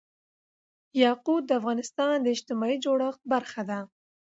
یاقوت د افغانستان د اجتماعي جوړښت برخه ده.